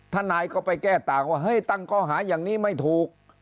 ทนายก็ไปแก้ต่างว่าเฮ้ยตั้งข้อหาอย่างนี้ไม่ถูก